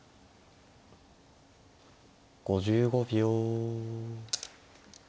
５５秒。